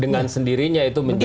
dengan sendirinya itu menjadi